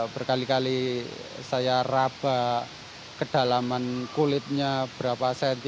berkali kali saya raba kedalaman kulitnya berapa cm